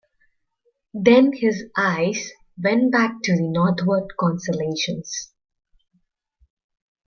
Then his eyes went back to the northward constellations.